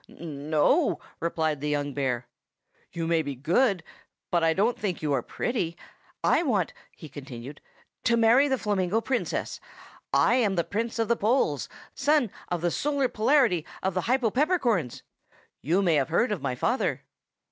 "N no!" replied the young bear. "You may be good; but I don't think you are pretty. I want," he continued, "to marry the Flamingo Princess. I am the Prince of the Poles, son of the Solar Polarity of the Hypopeppercorns. You may have heard of my father."